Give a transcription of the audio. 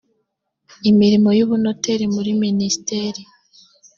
imirimo y ubunoteri muri minisiteri